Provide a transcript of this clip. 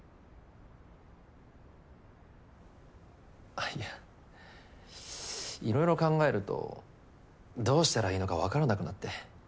あっいやいろいろ考えるとどうしたらいいのかわからなくなって。